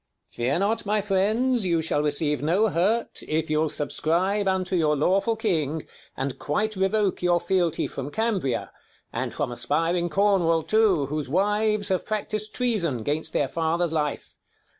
f King. Fear not, my friends, you shall receive no hurt, j If you'll subscribe unto your lawful king, ! And quite revoke your fealty from Cambria, : And from aspiring Cornwall too, whose wives I Have practis'd treason 'gainst their father's life.